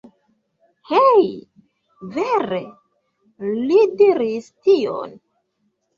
Hej? Vere? Li diris tion?